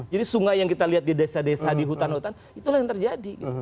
jadi sungai yang kita lihat di desa desa di hutan hutan itulah yang terjadi